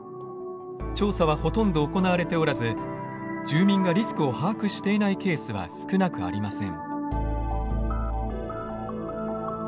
調査はほとんど行われておらず住民がリスクを把握していないケースは少なくありません。